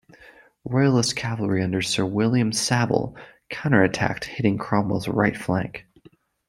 Royalist cavalry under Sir William Savile counterattacked hitting Cromwell's right flank.